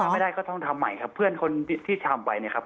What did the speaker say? ไม่ได้ก็ต้องทำใหม่ครับเพื่อนคนที่ทำไปเนี่ยครับ